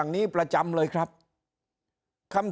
ถ้าท่านผู้ชมติดตามข่าวสาร